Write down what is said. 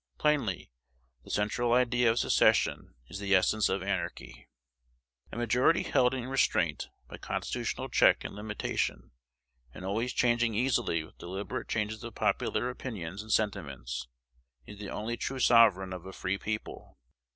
Plainly, the central idea of secession is the essence of anarchy. A majority held in restraint by constitutional check and limitation, and always changing easily with deliberate changes of popular opinions and sentiments, is the only true sovereign of a free people.